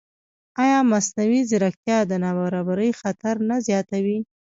ایا مصنوعي ځیرکتیا د نابرابرۍ خطر نه زیاتوي؟